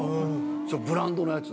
ブランドのやつ。